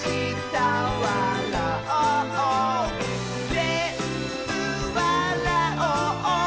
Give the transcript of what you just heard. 「ぜんぶわらおう！